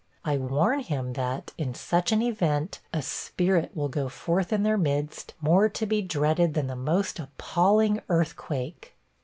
I warn him that, in such an event, a spirit will go forth in their midst, more to be dreaded than the most appalling earthquake.'